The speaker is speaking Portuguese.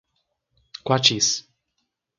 Quatis